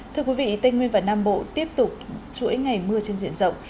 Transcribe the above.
thưa quý vị tây nguyên và nam bộ tiếp tục chuỗi ngày mưa trên diện rộng